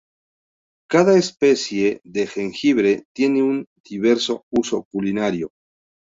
Cada especie de jengibre tiene un diverso uso culinario.